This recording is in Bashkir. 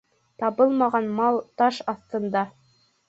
Табылмаған мал таш аҫтында.